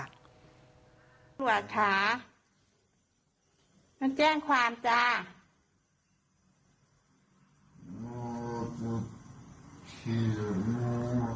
คุณตำรวจค่ะมันแจ้งความจ้า